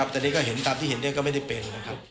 แต่นี่ก็เห็นตามที่เห็นเรื่องนี้ก็ไม่ได้เป็น